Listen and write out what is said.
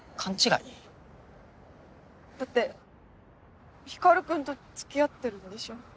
だって光君と付き合ってるんでしょ？